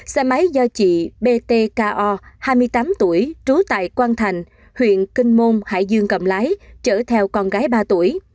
xe máy do chị b t k o hai mươi tám tuổi trú tại quang thành huyện kinh môn hải dương cầm lái chở theo con gái ba tuổi